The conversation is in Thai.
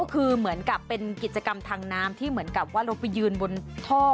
คือเหมือนกับเป็นกิจกรรมทางน้ำที่เหมือนกับว่าเราไปยืนบนท่อ